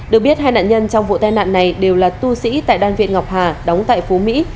được biết hai nạn nhân trong vụ tai nạn này đều là tu sĩ tại đan viện ngọc hà đóng tại phú mỹ